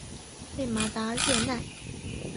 勒马达热奈。